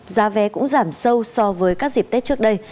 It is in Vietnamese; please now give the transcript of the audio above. giá vé cũng giảm sâu so với các dịp tết trước đây